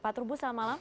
pak trubus selamat malam